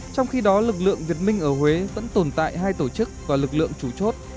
trong khi đó lực lượng việt minh ở huế vẫn tồn tại hai tổ chức và lực lượng chủ chốt